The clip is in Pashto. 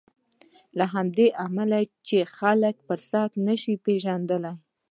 همدا لامل دی چې خلک فرصت نه شي پېژندلی.